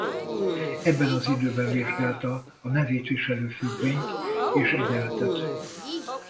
Ebben az időben vizsgálta a nevét viselő függvényt és egyenletet.